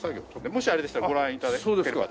もしあれでしたらご覧頂ければ。